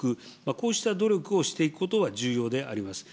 こうした努力をしていくことは重要であります。